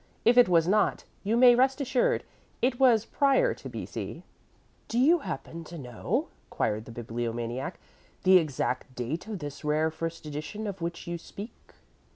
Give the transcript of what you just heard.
If it was not, you may rest assured it was prior to B.C." "Do you happen to know," queried the Bibliomaniac, "the exact date of this rare first edition of which you speak?"